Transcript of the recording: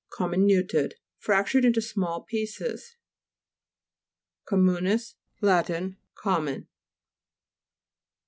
COMMINUTED Fractured into small pieces. COMMU'NIS E Lat. Common.